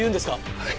はい。